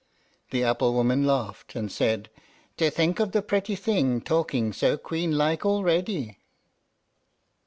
The apple woman laughed, and said, "To think of the pretty thing talking so queen like already!